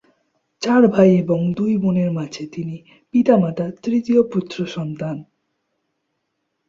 চার ভাই এবং দুই বোনের মাঝে তিনি পিতা-মাতার তৃতীয় পুত্র সন্তান।